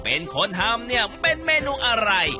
เป็นคนทำเนี่ยเป็นเมนูอะไร